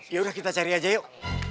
ya udah kita cari aja yuk